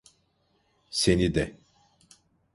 Seni de.